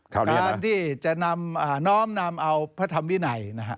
การที่จะน้อมนำเอาพระธรรมวินัยนะฮะ